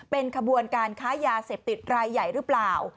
เป็นขบวนการค้ายาเสพติดรายใหญ่หรือเปล่า